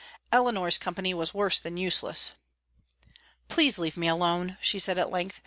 Eleanor's company was worse than useless. "Please leave me alone," she said at length.